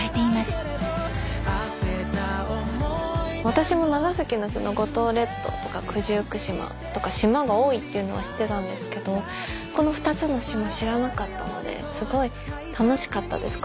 私も長崎の五島列島とか九十九島とか島が多いっていうのは知ってたんですけどこの２つの島知らなかったのですごい楽しかったです